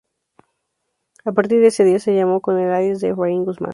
A partir de ese día se llamó con el alias de "Efraín Guzmán".